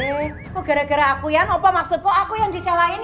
eh kok gara gara aku yan apa maksudmu aku yang disalahin yan